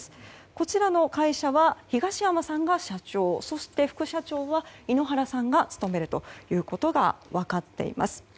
こちらの会社は東山さんが社長そして、副社長は井ノ原さんが務めるということが分かっています。